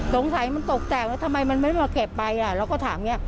ตรงไถมันตกแตกแล้วทำไมมันไม่ได้มาเก็บไปเราก็ถาม